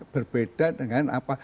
berbeda dengan apa